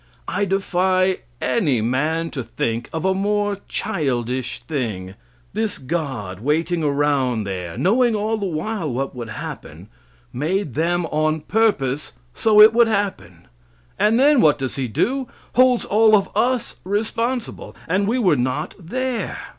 I defy any man to think of a more childish thing. This God waiting around there, knowing all the while what would happen, made them on purpose so it would happen; and then what does he do? Holds all of us responsible; and we were not there.